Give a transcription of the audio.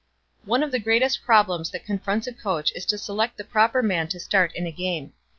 One of the greatest problems that confronts a coach is to select the proper men to start in a game.